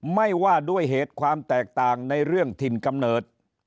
ไม่ว่าด้วยเหตุความแตกต่างในเรื่องถิ่นกำเนิด